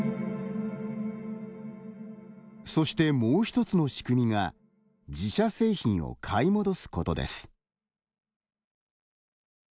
そしてもう一つの仕組みが自社製品を買い戻すことです。